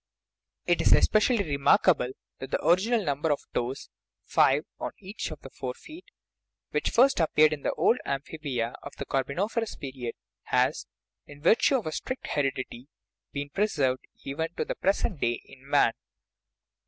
It is especially remarkable that the original number of the toes (five) on each of the four feet, which first appeared in the old amphibia of the Carboniferous period, has, in virtue of a strict heredity, been pre served even to the present day in man.